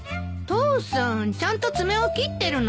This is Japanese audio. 父さんちゃんと爪を切ってるの？